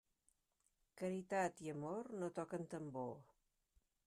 Caritat i amor no toquen tambor.